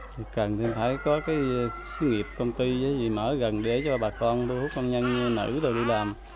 thì cần phải có cái nghiệp công ty gì mà ở gần để cho bà con đu hút công nhân nữ rồi đi làm